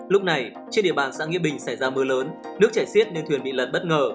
lúc này trên địa bàn xã nghĩa bình xảy ra mưa lớn nước chảy xiết nên thuyền bị lật bất ngờ